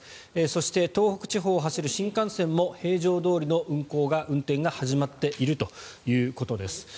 そして、東北地方を走る新幹線も平常どおりの運転が始まっているということです。